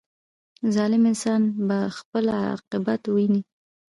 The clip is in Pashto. • ظالم انسان به خپل عاقبت ویني.